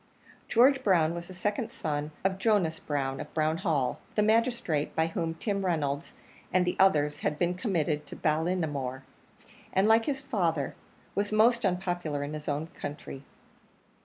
George Brown was the second son of Jonas Brown, of Brown Hall, the magistrate by whom Tim Reynolds and the others had been committed to Ballinamore, and, like his father, was most unpopular in his own country.